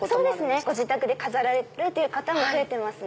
ご自宅で飾られる方も増えてますね。